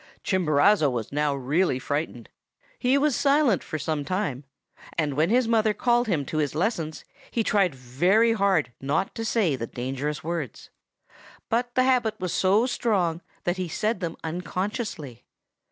Chimborazo was now really frightened. He was silent for some time; and when his mother called him to his lessons he tried very hard not to say the dangerous words. But the habit was so strong that he said them unconsciously.